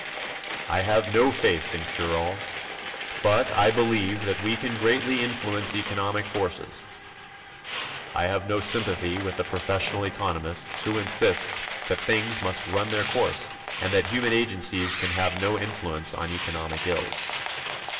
I have no faith in "cure alls" but I believe that we can greatly influence economic forces. I have no sympathy with the professional economists who insist that things must run their course and that human agencies can have no influence on economic ills.